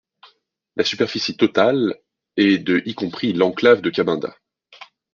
La superficie totale est de y compris l'enclave de Cabinda.